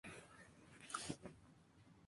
Juega como delantero en el Forrest Hill Milford.